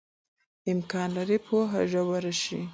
امکان لري پوهه ژوره شي.